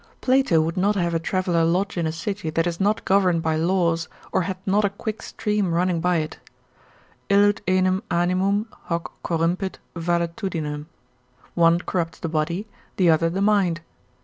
Plato would not have a traveller lodge in a city that is not governed by laws, or hath not a quick stream running by it; illud enim animum, hoc corrumpit valetudinem, one corrupts the body, the other the mind.